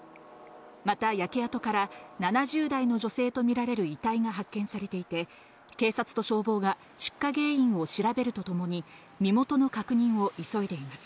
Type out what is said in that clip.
また焼け跡から７０代の女性とみられる遺体が発見されていて、警察と消防が出火原因を調べるとともに、身元の確認を急いでいます。